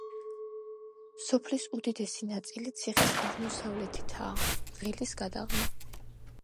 სოფლის უდიდესი ნაწილი ციხის აღმოსავლეთითაა, ღელის გადაღმა.